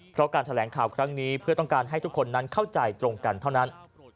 เพราะการแถลงข่าวครั้งนี้เพื่อต้องการให้ทุกคนนั้นเข้าใจตรงกันเท่านั้น